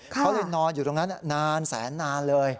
เขาเลยนอนอยู่ตรงนั้นนานแสนนานเลย